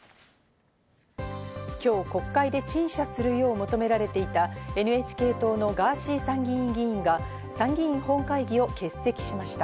今日、国会で陳謝するよう求められていた、ＮＨＫ党のガーシー参議院議員が参議院本会議を欠席しました。